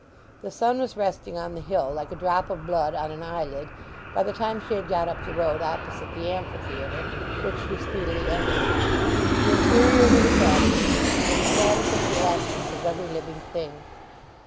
The sun was resting on the hill like a drop of blood on an eyelid by the time she had got up the road opposite the amphitheatre, which she speedily entered. The interior was shadowy, and emphatic of the absence of every living thing.